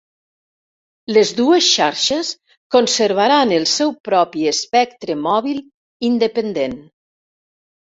Les dues xarxes conservaran el seu propi espectre mòbil independent.